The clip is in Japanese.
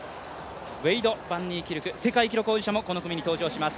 ウェイド・バンニーキルク、世界記録保持者もこの組に登場します。